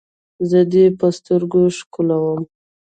زه دې په سترګو ښکلوم.